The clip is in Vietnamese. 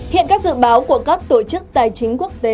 hiện các dự báo của các tổ chức tài chính quốc tế